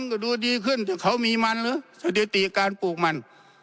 ก็ดูดีขึ้นแต่เขามีมันหรือสถิติการปลูกมัน